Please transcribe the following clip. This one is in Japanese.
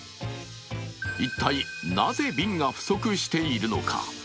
一体なぜ瓶が不足しているのか。